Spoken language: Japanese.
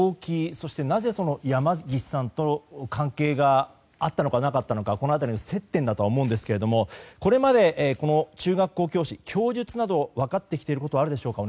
そしてなぜ山岸さんとの関係があったのか、なかったのかこの辺りの接点だとは思うんですけれどもこれまで中学校教師分かってきていることはあるでしょうか？